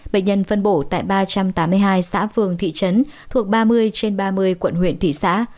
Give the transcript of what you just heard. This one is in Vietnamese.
bệnh nhân phân bổ tại ba trăm tám mươi hai xã phường thị trấn thuộc ba mươi trên ba mươi quận huyện thị xã